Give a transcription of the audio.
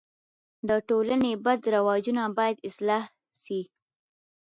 د ټولني بد رواجونه باید اصلاح سي.